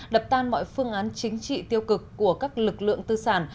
đập tan mọi phương án chính trị tiêu cực của các lực lượng tư sản